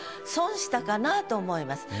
かなと思います。